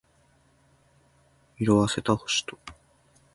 色褪せた星と